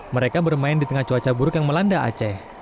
mereka bermain di tengah cuaca buruk yang melanda aceh